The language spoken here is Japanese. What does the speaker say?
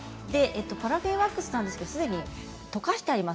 パラフィンワックスはすでに溶かしてあります。